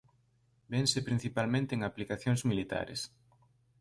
Vense principalmente en aplicacións militares.